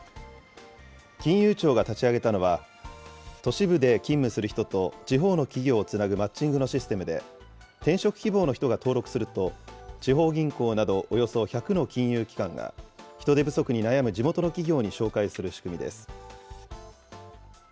金融庁が立ち上げたのは、都市部で勤務する人と地方の企業をつなぐマッチングのシステムで、転職希望の人が登録すると、地方銀行などおよそ１００の金融機関が人手不足に悩む地元の企業に紹介する仕組みです。